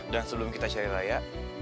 dan sebelum kita cari raya